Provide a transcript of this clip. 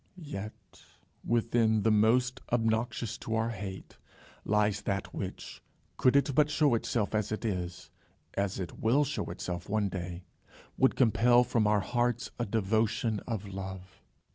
Yet within the most obnoxious to our hate, lies that which, could it but show itself as it is, and as it will show itself one day, would compel from our hearts a devotion of love.